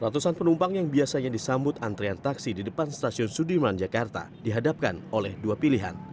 ratusan penumpang yang biasanya disambut antrean taksi di depan stasiun sudirman jakarta dihadapkan oleh dua pilihan